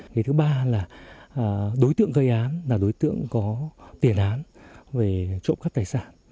cái thứ ba là đối tượng gây án là đối tượng có tiền án về trộm cắt tài sản